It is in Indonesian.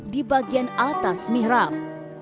di bagian atas mihrab